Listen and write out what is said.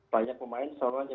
banyak pemain soalnya